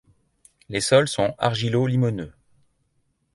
Les sols sont argilo limoneux.